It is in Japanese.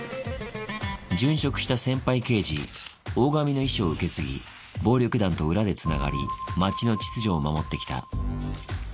殉職した先輩刑事、大上の遺志を受け継ぎ、暴力団と裏でつながり、街の秩序を守ってきた。